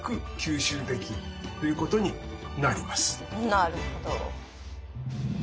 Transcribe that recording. なるほど。